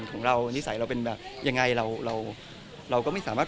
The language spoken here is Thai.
เป็นของเรานิสัยยังไงเราก็ไม่สามารถ